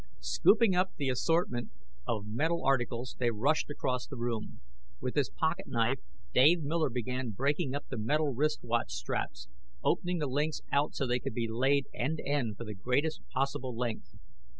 Scooping up the assortment of metal articles, they rushed across the room. With his pocket knife, Dave Miller began breaking up the metal wrist watch straps, opening the links out so that they could be laid end to end for the greatest possible length.